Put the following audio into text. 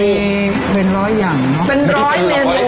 มีเป็น๑๐๐อย่างเนอะเป็น๑๐๐เมนู